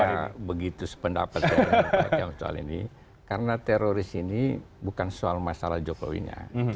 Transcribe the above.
saya kira tidak begitu sependapat saya soal ini karena teroris ini bukan soal masalah jokowi nya